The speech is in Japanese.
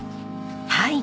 はい。